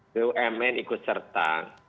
bumn ikut serta